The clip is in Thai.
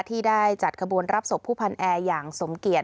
ที่ได้จัดขบวนรับศพผู้พันแอร์อย่างสมเกียจ